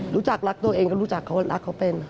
รู้จักรักตัวเองก็รู้จักเขารักเขาเป็น